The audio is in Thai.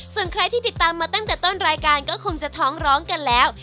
ส่วนใครที่ติดตามมาตั้งแต่ต้นรายการก็คงจะท้องร้องกันแล้ว